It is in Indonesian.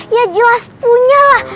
ya jelas punya lah